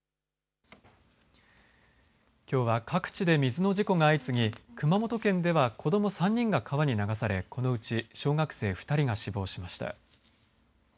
きょうは各地で水の事故が相次ぎ熊本県では子ども３人が川に流されこのうち小学生２人が死亡しました。